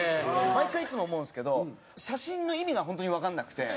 毎回いつも思うんですけど写真の意味がホントにわかんなくて。